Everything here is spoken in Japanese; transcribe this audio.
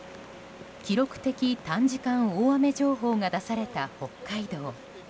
記録的短時間大雨情報が出された北海道。